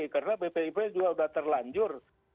karena bpip juga udah terlanjur